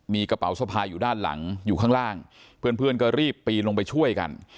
มีกระเป๋าสะพายอยู่ด้านหลังอยู่ข้างล่างเพื่อนก็รีบปีนลงไปช่วยกัน